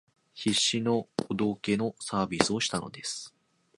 必死のお道化のサービスをしたのです